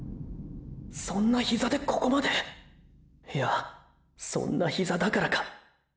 そんなヒザでここまでいやそんなヒザだからか。